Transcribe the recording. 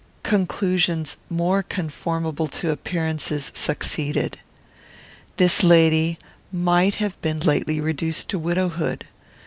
Conclusions more conformable to appearances succeeded. This lady might have been lately reduced to widowhood.